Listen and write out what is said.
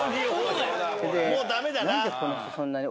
もうダメだな。